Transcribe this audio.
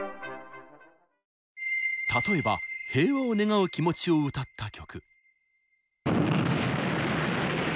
例えば平和を願う気持ちを歌った曲。